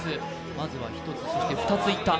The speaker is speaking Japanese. まずは１つ、そして２ついった。